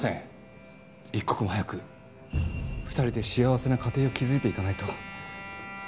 一刻も早く２人で幸せな家庭を築いていかないと。